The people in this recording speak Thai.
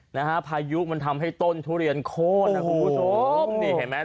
นะฮะพายุมันทำให้ต้นทุเรียนโค้นนะคุณผู้ชมนี่เห็นไหม